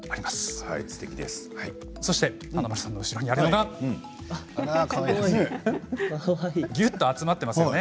そして華丸さんの後ろにあるのがぎゅっと集まっていますよね。